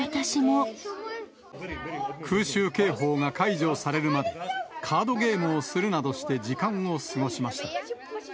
空襲警報が解除されるまで、カードゲームをするなどして時間を過ごしました。